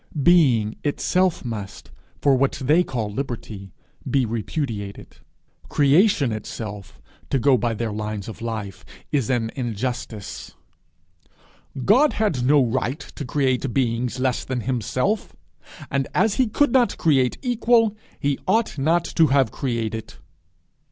Being itself must, for what they call liberty, be repudiated! Creation itself, to go by their lines of life, is an injustice! God had no right to create beings less than himself; and as he could not create equal, he ought not to have created!